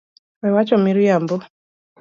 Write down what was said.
We wacho miriambo.